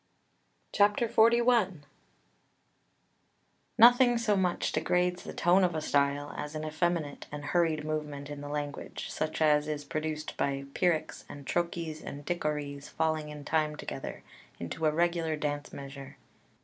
[Footnote 2: Antiope (Nauck, 222).] XLI Nothing so much degrades the tone of a style as an effeminate and hurried movement in the language, such as is produced by pyrrhics and trochees and dichorees falling in time together into a regular dance measure.